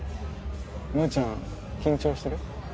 萌ちゃん緊張してる？